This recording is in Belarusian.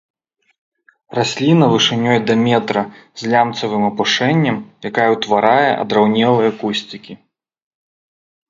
Расліна вышынёй да метра з лямцавым апушэннем, якая ўтварае адраўнелыя кусцікі.